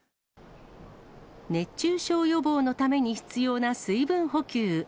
熱中症予防のために必要な水分補給。